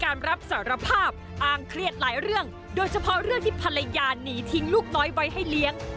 การรับสารภาพอ้างเครียดหลายเรื่องโดยเฉพาะเรื่องที่ภรรยาหนีทิ้งลูกน้อยไว้ให้เลี้ยง